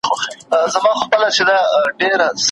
جهاني قاصد راغلی ساه ختلې ده له ښاره